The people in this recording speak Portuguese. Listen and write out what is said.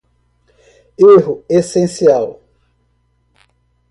erro essencial